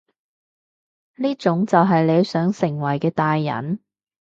呢種就係你想成為嘅大人？